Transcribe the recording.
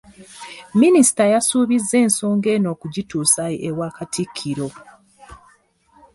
Minisita yasuubizza ensonga eno okugituusa ewa Katikkiro.